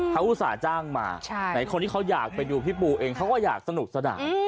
เขาอุตส่าห์จ้างมาไหนคนที่เขาอยากไปดูพี่ปูเองเขาก็อยากสนุกสนาน